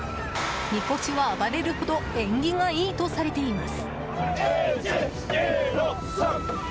みこしは暴れるほど縁起がいいとされています。